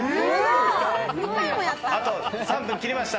あと３分切りました。